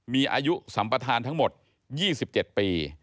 มีอายุสัมปทานทั้งหมด๒๗ปี